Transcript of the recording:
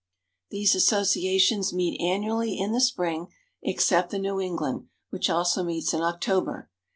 These associations meet annually in the spring, except the New England, which also meets in October.